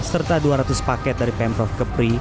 serta dua ratus paket dari pemprov kepri